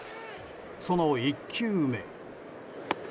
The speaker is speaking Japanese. その１球目。